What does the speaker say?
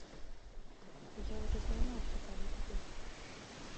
Я ўжо займаўся палітыкай.